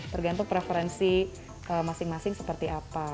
tergantung preferensi masing masing seperti apa